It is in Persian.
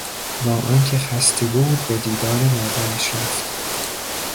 با آنکه خسته بود به دیدار مادرش رفت.